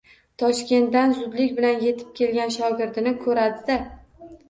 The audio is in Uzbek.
Toshkentdan zudlik bilan yetib kelgan shogirdini ko‘radi-da: